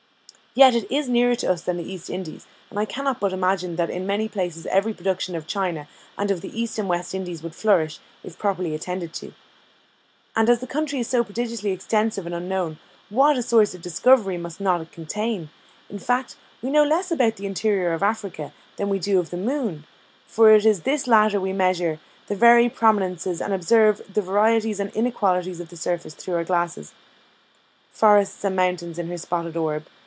Yet it is nearer to us than the East Indies, and I cannot but imagine, that in many places every production of China, and of the East and West Indies, would flourish, if properly attended to. And as the country is so prodigiously extensive and unknown, what a source of discovery must not it contain! In fact, we know less about the interior of Africa than we do of the moon; for in this latter we measure the very prominences, and observe the varieties and inequalities of the surface through our glasses "Forests and mountains on her spotted orb.